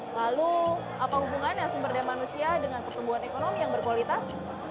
lalu apa hubungannya sumber daya manusia dengan pertumbuhan ekonomi yang berkualitas